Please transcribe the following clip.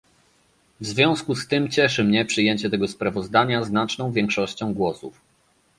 W związku z tym cieszy mnie przyjęcie tego sprawozdania znaczną większością głosów